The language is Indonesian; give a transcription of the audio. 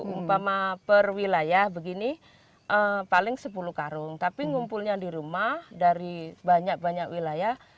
umpama per wilayah begini paling sepuluh karung tapi ngumpulnya di rumah dari banyak banyak wilayah